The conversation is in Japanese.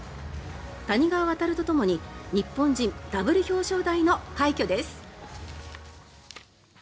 谷川航とともに日本人ダブル表彰台の快挙です。